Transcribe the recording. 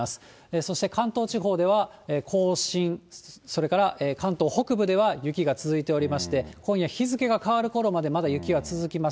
そして関東地方では、甲信、それから関東北部では雪が続いておりまして、今夜日付が変わるころまでまだ雪は続きます。